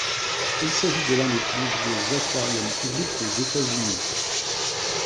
Il s'agit de l'un des plus vieux aquariums publics des États-Unis.